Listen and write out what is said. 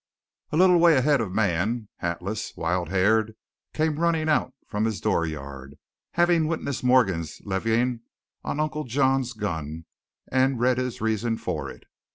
A little way ahead a man, hatless, wild haired, came running out from his dooryard, having witnessed Morgan's levying on Uncle John's gun and read his reason for it.